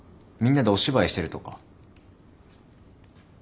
みんなでお芝居してるとか。